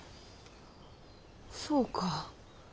そうか。